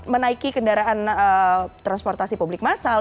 menaiki kendaraan transportasi publik masal